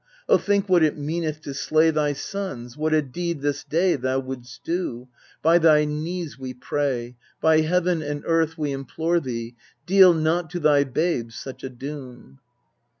O think what it meaneth to slay Thy sons what a deed this day Thou wouldst do ! By thy knees we pray, By heaven and earth we implore thee, Deal not to thy babes such a doom